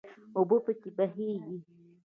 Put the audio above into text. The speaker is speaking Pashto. اوبه پکې بهیږي.